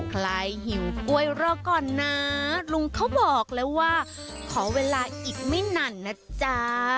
หิวกล้วยรอก่อนนะลุงเขาบอกแล้วว่าขอเวลาอีกไม่นานนะจ๊ะ